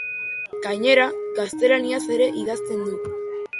Gainera, gaztelaniaz ere idazten du.